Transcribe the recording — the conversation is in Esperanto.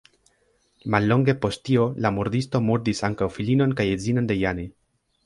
Mallonge post tio, la murdisto murdis ankaŭ filinon kaj edzinon de Jane.